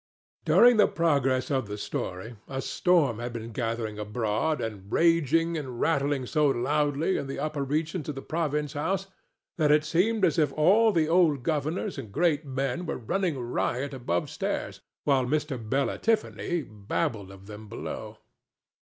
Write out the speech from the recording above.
During the progress of the story a storm had been gathering abroad and raging and rattling so loudly in the upper regions of the Province House that it seemed as if all the old governors and great men were running riot above stairs while Mr. Bela Tiffany babbled of them below.